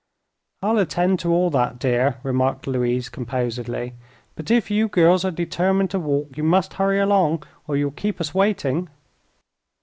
"I'll attend to all that, dear," remarked Louise, composedly. "But if you girls are determined to walk, you must hurry along, or you will keep us waiting."